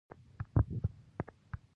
هغوی درس ووايه؟